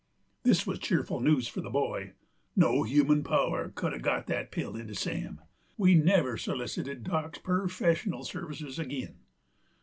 This wuz cheerful news for the boy. No human power c'u'd ha' got that pill into Sam. We never solicited Dock's perfeshional services ag'in.